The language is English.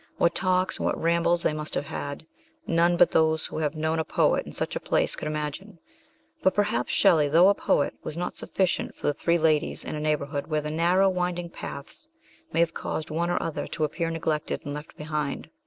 What talks and what rambles they must have had, none but those who have known a poet in such a place could imagine ; but perhaps Shelley, though a poet, was not sufficient for the three ladies in a neighbourhood where the narrow winding paths may have caused one or other to appear neglected and left behind.